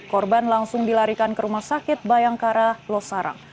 korban langsung dilarikan ke rumah sakit bayangkara losarang